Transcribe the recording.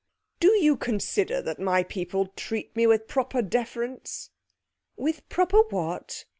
Do you consider that my people treat me with proper deference?' 'With proper _what?